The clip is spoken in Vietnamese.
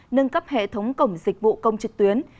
nâng cấp hệ thống cổng dịch vụ công trực tuyến